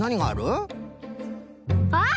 あっ！